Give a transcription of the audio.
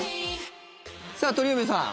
さあ、鳥海さん